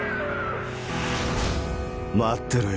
待ってろよ